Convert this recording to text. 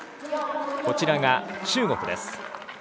こちらが中国です。